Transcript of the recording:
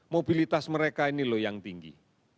mobilitas mereka ini loh yang tinggi